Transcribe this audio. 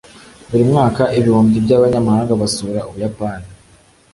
Buri mwaka ibihumbi by'abanyamahanga basura Ubuyapani.